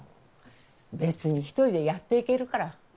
別に一人でやっていけるから。